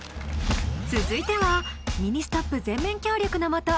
続いてはミニストップ全面協力のもと